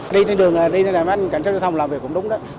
đi trên đường đi trên đường với anh cảnh sát giao thông làm việc cũng đúng đó